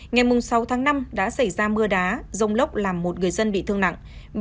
ngày sáu tháng năm đã xảy ra mưa đá rông lốc làm một người dân bị thương nặng